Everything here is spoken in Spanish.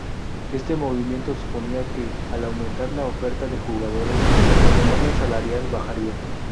Este movimiento suponía que, al aumentar la oferta de jugadores, la demanda salarial bajaría.